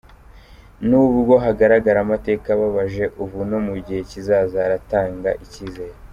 Nubwo hagaragara amateka ababaje, ubu no mu gihe kizaza haratanga icyizere”.